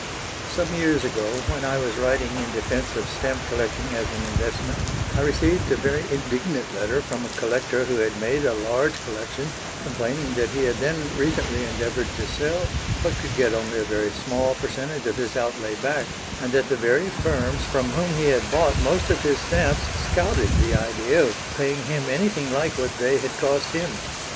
Some years ago, when I was writing in defence of stamp collecting as an investment, I received a very indignant letter from a collector who had made a large collection, complaining that he had then recently endeavoured to sell, but could get only a very small percentage of his outlay back, and that the very firms from whom he had bought most of his stamps scouted the idea of paying him anything like what they had cost him.